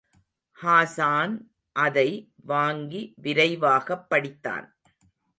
ஹாஸான் அதை வாங்கி விரைவாகப் படித்தான்.